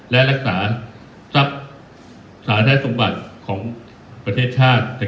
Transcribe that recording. และรักษาทรัพย์สารสมบัติของประเทศชาติ